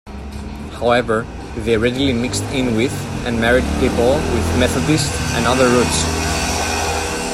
However, they readily mixed in with and married people with Methodist and other roots.